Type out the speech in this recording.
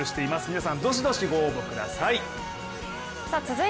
皆さん、どしどし御応募ください。